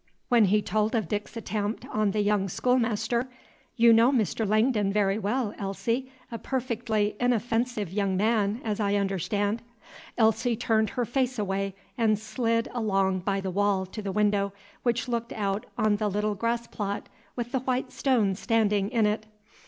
When he told of Dick's attempt on the young schoolmaster, ("You know Mr. Langdon very well, Elsie, a perfectly inoffensive young man, as I understand,") Elsie turned her face away and slid along by the wall to the window which looked out oh the little grass plot with the white stone standing in it.